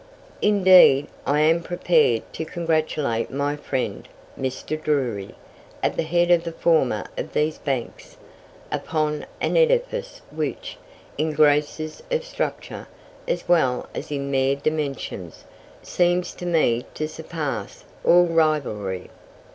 Indeed, I am prepared to congratulate my friend, Mr. Drury, at the head of the former of these banks, upon an edifice which, in graces of structure, as well as in mere dimensions, seems to me to surpass all rivalry.